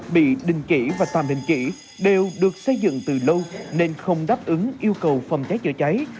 bị đình chỉ và tạm đình chỉ đều được xây dựng từ lâu nên không đáp ứng yêu cầu phòng cháy chữa cháy